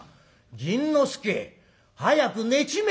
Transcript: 銀之助早く寝ちめえ」。